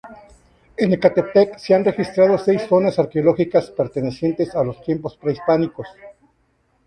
En Ecatepec se han registrado seis zonas arqueológicas pertenecientes a los tiempos prehispánicos.